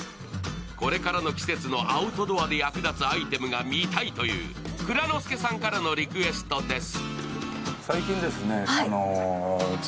これからの季節のアウトドアで役立つアイテムが見たいという蔵之介さんからのリクエストです。